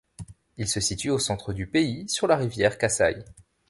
Il se situe au centre du pays sur la rivière Kasaï.